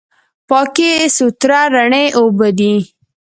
پاکې، سوتره، رڼې اوبه دي.